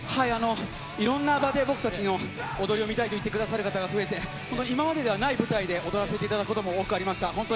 いろんな場で僕たちの踊りを見たいと言ってくださる方が増えて、今までにはない舞台で踊らせていただくことも多くありました。